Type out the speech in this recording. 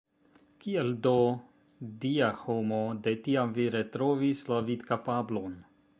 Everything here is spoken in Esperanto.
Kiel do, Dia homo, de tiam vi retrovis la vidkapablon?